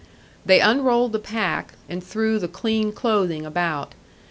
They unrolled the pack, and threw the clean clothing about.